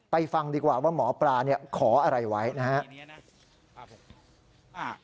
ฟังดีกว่าว่าหมอปลาขออะไรไว้นะครับ